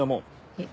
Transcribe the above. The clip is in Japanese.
えっ